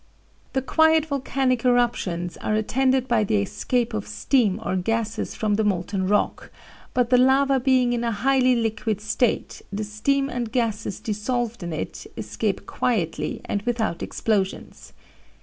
"The quiet volcanic eruptions are attended by the escape of steam or gases from the molten rock, but the lava being in a highly liquid state, the steam and gases dissolved in it escape quietly and without explosions.